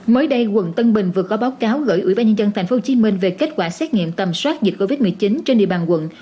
mới đây quận tân bình vừa có báo cáo gửi ủy ban nhân dân tp hcm về kết quả xét nghiệm tầm soát dịch covid một mươi chín trên địa bàn quận